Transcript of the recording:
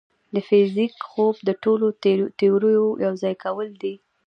د فزیک خوب د ټولو تیوريو یوځای کول دي.